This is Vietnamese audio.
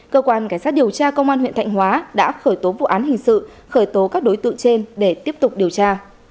cơ quan cảnh sát điều tra công an huyện thạnh hóa đã khởi tố vụ án hình sự khởi tố các đối tượng trên để tiếp tục điều tra